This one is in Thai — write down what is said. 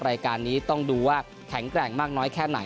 รายการนี้ต้องดูว่าแข็งแกร่งมากน้อยแค่ไหน